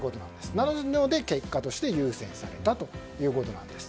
なので結果として優先されたということです。